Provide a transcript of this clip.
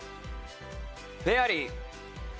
フェアリー。